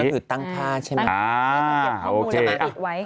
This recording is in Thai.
แล้วถือตั้งผ้าใช่ไหม